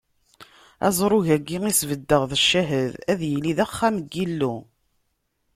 Aẓru-agi i sbeddeɣ d ccahed, ad yili d axxam n Yillu.